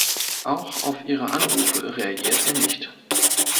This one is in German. Auch auf ihre Anrufe reagiert er nicht.